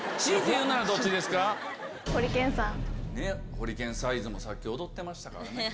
『ホリケン☆サイズ』もさっき踊ってましたからね。